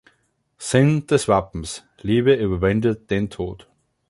Sinn des Wappens: Liebe überwindet den Tod.